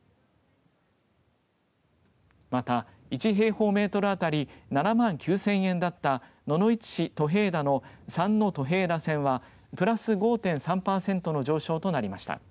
また１平方メートル当たり７万９０００円だった野々市市藤平田の三納藤平田線はプラス５．３パーセントの上昇となりました。